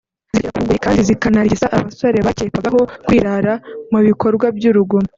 zigashyira ku ngoyi kandi zikanarigisa abasore bakekwagaho kwirara mu bikorwa by’urugomo